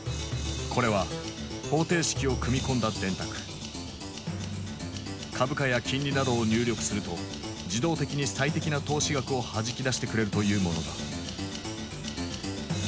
これは株価や金利などを入力すると自動的に最適な投資額をはじき出してくれるというものだ。